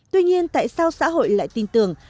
tuy nhiên tại sao xã hội lại tin tưởng